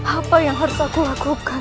apa yang harus aku lakukan